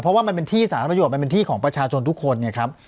เพราะว่ามันเป็นที่สารประโยชนมันเป็นที่ของประชาชนทุกคนไงครับ